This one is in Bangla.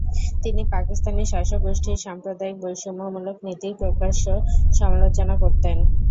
তিনি পাকিস্তানি শাসকগোষ্ঠীর সাম্প্রদায়িক বৈষম্যমূলক নীতির প্রকাশ্য সমালোচনা করতেন।